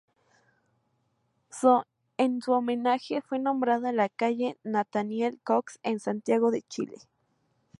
En su homenaje fue nombrada la calle Nataniel Cox en Santiago de Chile